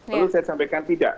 lalu saya sampaikan tidak